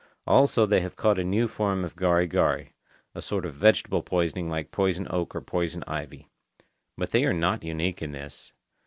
Also, they have caught a new form of gari gari, a sort of vegetable poisoning like poison oak or poison ivy. But they are not unique in this.